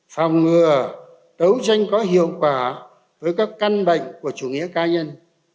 phòng ngừa đấu tranh có hiệu quả với các căn bệnh của chủ nghĩa ca nhân